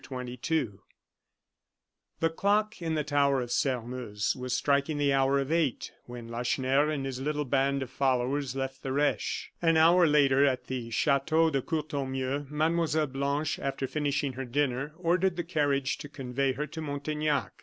CHAPTER XXII The clock in the tower of Sairmeuse was striking the hour of eight when Lacheneur and his little band of followers left the Reche. An hour later, at the Chateau de Courtornieu, Mlle. Blanche, after finishing her dinner, ordered the carriage to convey her to Montaignac.